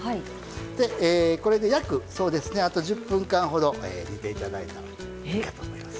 でこれで約そうですねあと１０分間ほど煮ていただいたらいいかと思います。